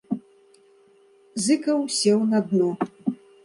Зыкаў сеў на дно.